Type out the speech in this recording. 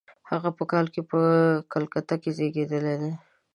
هغه په کال کې په کلکته کې زېږېدلی دی.